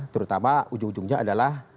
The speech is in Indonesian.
terutama ujung ujungnya adalah